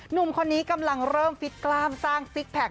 หนุ่มคนนี้กำลังเริ่มฟิตกล้ามสร้างซิกแพค